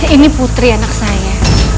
ini putri anak saya